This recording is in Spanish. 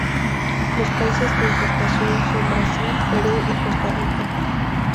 Los países de importación son Brasil, Perú y Costa Rica.